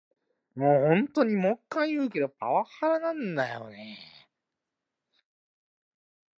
His clemency powers extend to the ability to suspend and remit fines and forfeitures.